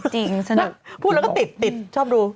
จริงสนุกพี่บอกพูดแล้วก็ติดชอบดู